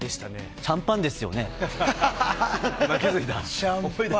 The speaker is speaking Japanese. シャンパンですね。